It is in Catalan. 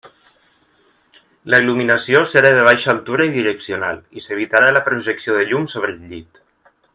La il·luminació serà de baixa altura i direccional, i s'evitarà la projecció de llum sobre el llit.